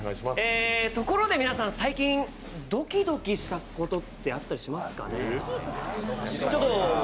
ところで皆さん、最近、ドキドキしたことってあります？